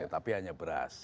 tapi hanya beras